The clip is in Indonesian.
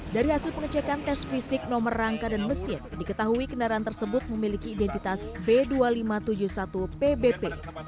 dari hasil pengecekan tes fisik nomor rangka dan mesin diketahui kendaraan tersebut memiliki identitas b dua ribu lima ratus tujuh puluh satu pbp